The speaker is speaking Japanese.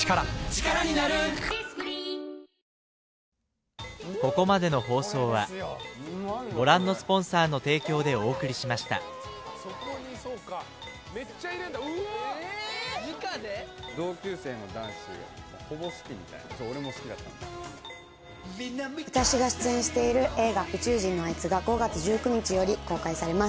チカラになる私が出演している映画『宇宙人のあいつ』が５月１９日より公開されます。